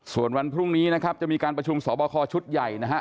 ส่วนวันพรุ่งนี้นะครับจะมีการประชุมสอบคอชุดใหญ่นะฮะ